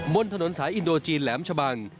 บนถนนสายอินโดจีนแหลมชะบัง